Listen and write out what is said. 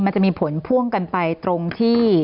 มันจะมีผลพ่วงกันไปตรงที่